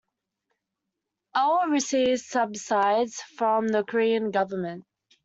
'L receives subsidies from the Korean government.